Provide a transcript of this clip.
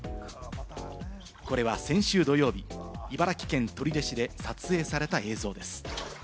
これは先週土曜日、茨城県取手市で撮影された映像です。